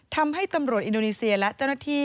ทำให้ตำรวจอินโดนีเซียและเจ้าหน้าที่